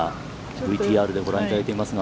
ＶＴＲでご覧いただいていますが。